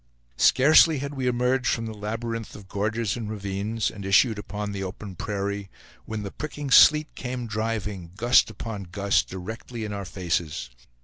Scarcely had we emerged from the labyrinth of gorges and ravines, and issued upon the open prairie, when the pricking sleet came driving, gust upon gust, directly in our faces.